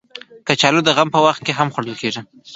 کچالو د غم په وخت هم خوړل کېږي